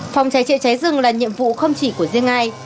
phòng cháy chữa cháy rừng là nhiệm vụ không chỉ của riêng ai